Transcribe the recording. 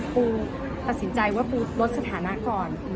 ปูตัดสินใจว่าปูลดสถานะก่อน